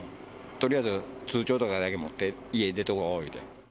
とりあえず通帳とかだけ持って家出てこうって。